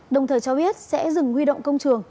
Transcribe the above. đồng thời cho biết sẽ dừng huy động công trường